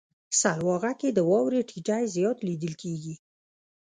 سلواغه کې د واورې ټيټی زیات لیدل کیږي.